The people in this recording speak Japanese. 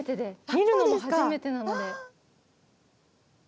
見るのも初めてなので。